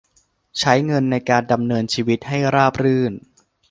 ใช้เงินในการดำเนินชีวิตให้ราบรื่น